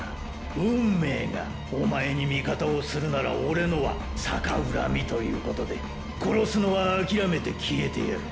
「運命」がおまえに味方をするならオレのは「逆恨み」ということで殺すのはあきらめて消えてやる！